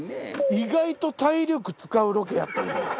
意外と体力使うロケやった。